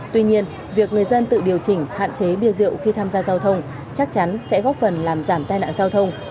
tuy nhiên việc người dân tự điều chỉnh hạn chế bia rượu khi tham gia giao thông chắc chắn sẽ góp phần làm giảm tai nạn giao thông